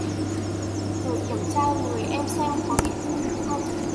rồi kiểm tra người em xem có bị thương gì không